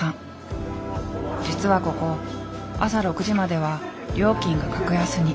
実はここ朝６時までは料金が格安に。